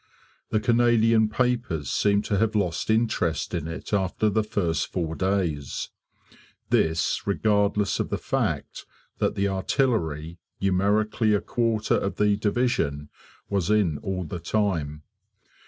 The Canadian papers seem to have lost interest in it after the first four days; this regardless of the fact that the artillery, numerically a quarter of the division, was in all the time.